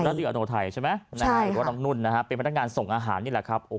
เป็นพนักงานส่งอาหารนี่แหละครับ